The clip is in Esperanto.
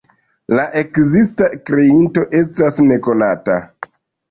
La ekzakta kreinto estas nekonata.